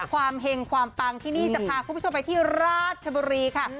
เห็งความปังที่นี่จะพาคุณผู้ชมไปที่ราชบุรีค่ะ